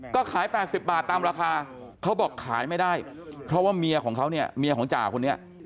ก็ขาย๘๐บาทตามราคาเขาบอกขายไม่ได้เพราะว่าเมียของเขาเนี่ยเมียของจ่าคนนี้